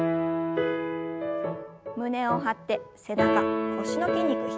胸を張って背中腰の筋肉引き締めます。